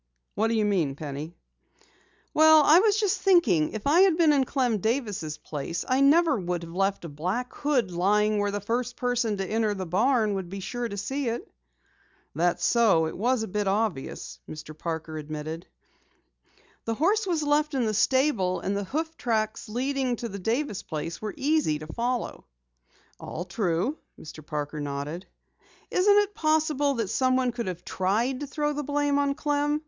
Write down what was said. "What do you mean, Penny?" "Well, I was just thinking, if I had been in Clem Davis' place, I never would have left a black hood lying where the first person to enter the barn would be sure to see it." "That's so, it was a bit obvious," Mr. Parker admitted. "The horse was left in the stable, and the hoof tracks leading to the Davis place were easy to follow." "All true," Mr. Parker nodded. "Isn't it possible that someone could have tried to throw the blame on Clem?"